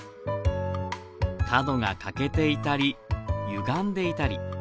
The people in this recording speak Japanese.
角が欠けていたりゆがんでいたり。